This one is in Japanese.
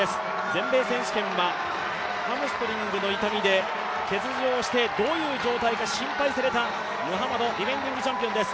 全米選手権はハムストリングの痛みで欠場してどういう状態が心配されたムハマド、ディフェンディングチャンピオンです。